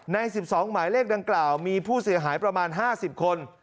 ใน๑๒หมายเลขดังกล่าวมีผู้เสียหายประมาณ๕๐คน